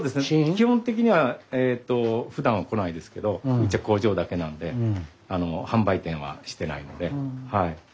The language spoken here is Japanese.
基本的にはえとふだんは来ないですけどうちは工場だけなんであの販売店はしてないのではい。